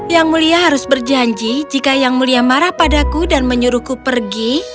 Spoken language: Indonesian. yang mulia harus berjanji jika yang mulia marah padaku dan menyuruhku pergi